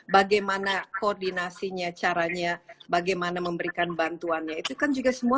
bagaimana koordinasinya caranya bagaimana memberikan bantuannya itu kan juga semua